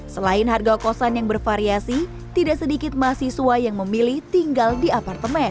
selain harga kosan yang bervariasi tidak sedikit mahasiswa yang memilih tinggal di apartemen